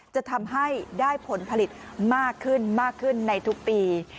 จะทำให้ได้ผลผลิตมากขึ้นในทุกปี